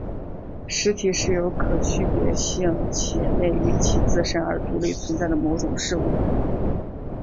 实体是有可区别性且内于其自身而独立存在的某种事物。